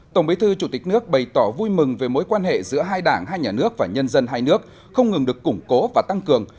tổng bí thư chủ tịch nước bày tỏ vui mừng về mối quan hệ giữa hai đảng hai nhà nước và nhân dân hai nước không ngừng được củng cố và tăng cường